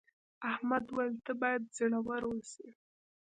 احمد وویل ته باید زړور اوسې.